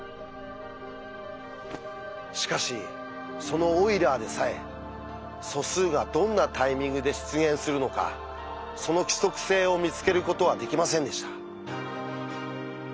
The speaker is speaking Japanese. しかしそのオイラーでさえ素数がどんなタイミングで出現するのかその規則性を見つけることはできませんでした。